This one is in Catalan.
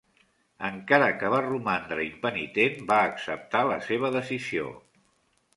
Encara que va romandre impenitent, va acceptar la seva decisió.